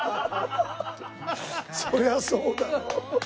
そりゃそうだろ。